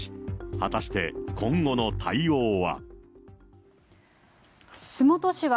果たして、今後の対応は。